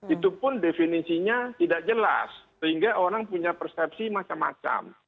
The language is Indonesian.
itu pun definisinya tidak jelas sehingga orang punya persepsi macam macam